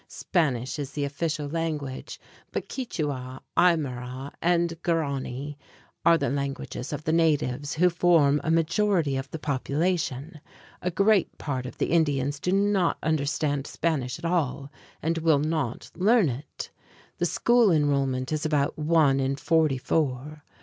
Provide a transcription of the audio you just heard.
Spanish is the official language, but Quichua (kee choo´ ah or kee´ chwah). Aymará (i mah rah´), and Guarani (gwah rah´ nee) are the languages of the natives, who form a majority of the population. A great part of the Indians do not understand Spanish at all and will not learn it. The school enrollment is about one in forty four.